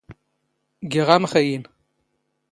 ⴳⵉⵖ ⴰⵎⵅⵢⵢⵏ.